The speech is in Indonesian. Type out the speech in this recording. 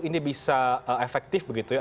ini bisa efektif begitu ya